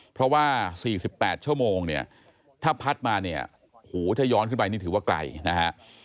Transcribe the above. เพราะว่า๔๘ชั่วโมงเนี่ยถ้าพัดมาเนี่ยโหถ้าย้อนขึ้นไปนี่ถือว่าไกลนะฮะ